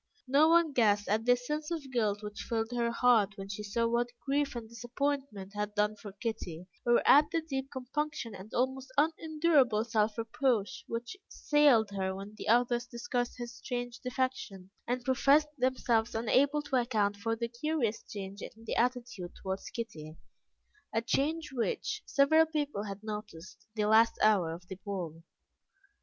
No one guessed at the sense of guilt which filled her heart when she saw what grief and disappointment had done for Kitty, or at the deep compunction and almost unendurable self reproach which assailed her when the others discussed his strange defection, and professed themselves unable to account for the curious change in his attitude towards Kitty a change which several people had noticed the last hour of the ball.